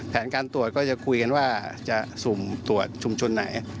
แผนการตรวจก็จะคุยกันว่าจะสุ่มตรวจชุมชนไหน